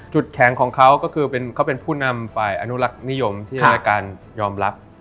แข็งของเขาก็คือเขาเป็นผู้นำฝ่ายอนุรักษ์นิยมที่ในการยอมรับ